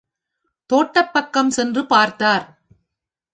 தோட்டப் பக்கம் சென்று பார்த்தார்.